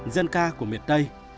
dân ca của miền tây